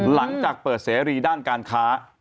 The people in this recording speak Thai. หลังจากเปิดเสรีด้านการค้า